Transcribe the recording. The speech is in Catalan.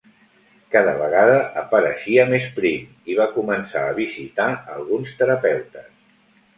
Cada vegada apareixia més prim i va començar a visitar alguns terapeutes.